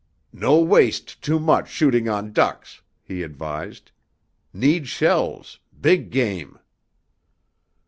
"No waste too much shooting on ducks," he advised. "Need shells big game."